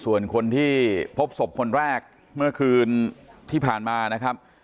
ส่วนคนที่พบศพคนแรกเมื่อคืนที่ผ่านมานะครับ